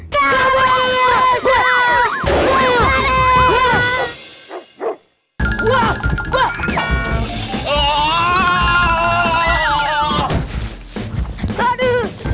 kabar yang terbaru